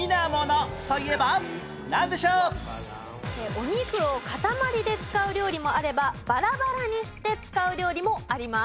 お肉をかたまりで使う料理もあればバラバラにして使う料理もあります。